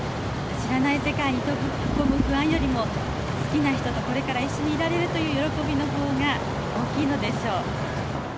知らない世界に飛び込む不安よりも、好きな人とこれから一緒にいられるという喜びのほうが大きいのでしょう。